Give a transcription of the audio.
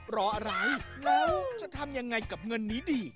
เพราะอะไรแล้วจะทำยังไงกับเงินนี้ดี